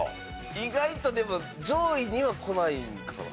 意外とでも上位にはこないんかな。